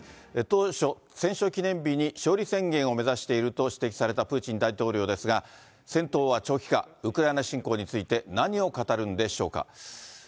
当初、戦勝記念日に勝利宣言を目指していると指摘されたプーチン大統領ですが、戦闘は長期化、ウクライナ侵攻について、何を語るんでしょうか。